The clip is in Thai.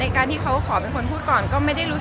เขาก็ขอพูดก่อนก็ไม่รู้ด้วย